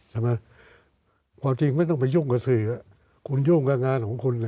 ใช่ไหมความจริงไม่ต้องไปยุ่งกับสื่อคุณยุ่งกับงานของคุณเลย